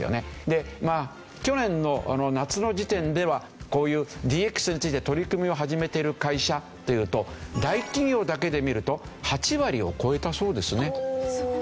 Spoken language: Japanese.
去年の夏の時点ではこういうＤＸについて取り組みを始めている会社っていうと大企業だけで見ると８割を超えたそうですね。